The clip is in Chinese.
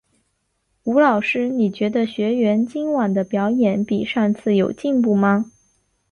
吴老师，你觉得学员今晚的表演比上次有进步吗？